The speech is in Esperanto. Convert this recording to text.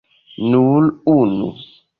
Nur unu.